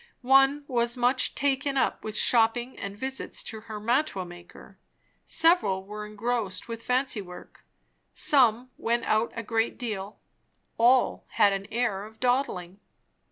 One was much taken up with shopping and visits to her mantua maker; several were engrossed with fancy work; some went out a great deal; all had an air of dawdling.